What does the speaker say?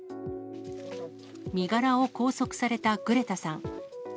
身柄を拘束されたグレタさん。